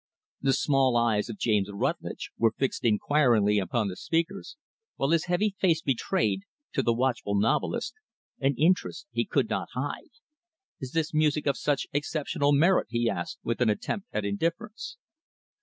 The small eyes of James Rutlidge were fixed inquiringly upon the speakers, while his heavy face betrayed to the watchful novelist an interest he could not hide. "Is this music of such exceptional merit?" he asked with an attempt at indifference.